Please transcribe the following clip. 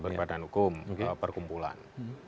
berbadan hukum perkumpulan